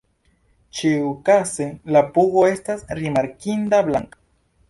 Ĉiukaze la pugo estas rimarkinda blanka.